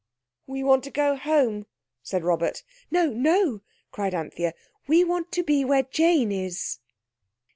"We want to go home," said Robert. "No, no," cried Anthea; "we want to be where Jane is."